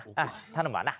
頼むわな。